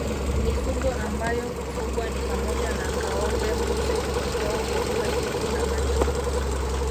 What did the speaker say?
Mifugo ambayo hufugwa ni pamoja na ngâombe mbuzi kondoo nguruwe kuku na bata